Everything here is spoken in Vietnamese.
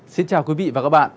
xin chào quý vị và các bạn